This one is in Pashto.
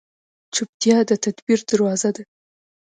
چپتیا، د تدبیر دروازه ده.